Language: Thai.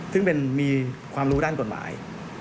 ซึ่งมีความรู้ด้านกฎหมาย